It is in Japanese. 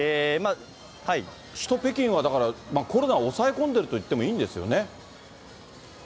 首都北京はだから、コロナを抑え込んでるといってもいいんですよね。